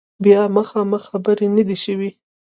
بیا مخامخ خبرې نه دي شوي